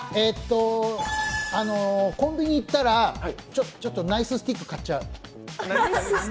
コンビニに行ったら、ちょっとナイススティック買っちゃう。